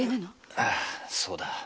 ああそうだ。